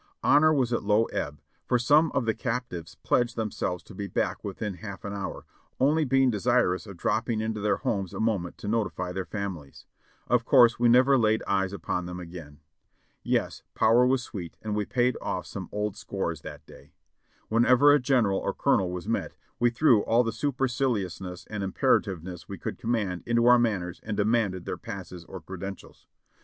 Honor was at low ebb, for some of the captives pledged them selves to be back within half an hour, only being desirous of drop ping into their homes a moment to notify their families. Of course we never laid eyes upon them again. Yes, power was sweet and we paid off some old scores that day. Whenever a general or colonel was met, we threw all the superciliousness and imperativeness we could command into our manners and demanded their passes or credentials.